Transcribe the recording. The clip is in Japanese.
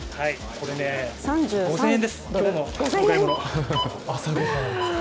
これ、５０００円です、今日のお買い物。